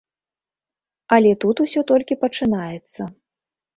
Але тут усё толькі пачынаецца.